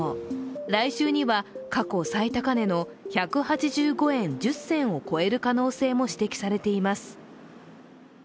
来週には過去最高値の１８５円１０銭を超える可能性も指摘されています。